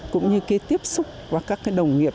cũng như cái tiếp xúc với các cái đồng nghiệp